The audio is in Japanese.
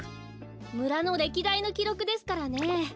むらのれきだいのきろくですからね。